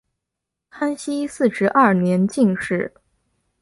康熙四十二年进士。